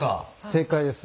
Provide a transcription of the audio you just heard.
正解です！